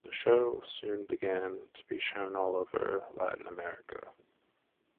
The show soon began to be shown all over Latin America.